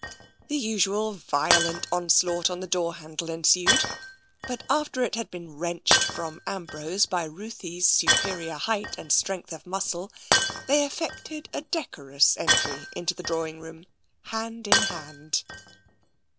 The usual violent onslaught on the door handle en sued, but after it had been wrenched from Ambrose by Ruthie's superior height and strength of muscle, they effected a decorous entry into the drawing room hand in hand.